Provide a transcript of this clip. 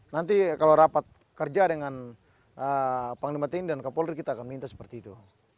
nanti kalau rapat kerja dengan panglima tni dan kapolri kita akan minta seperti itu